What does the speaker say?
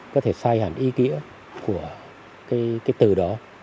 có thể sai hẳn ý nghĩa của cái từ đó